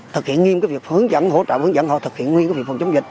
thực hiện nghiêm việc hướng dẫn hỗ trợ hướng dẫn họ thực hiện nguyên việc phòng chống dịch